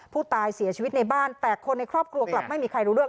ผู้ตายเสียชีวิตในบ้านแต่คนในครอบครัวกลับไม่มีใครรู้เรื่อง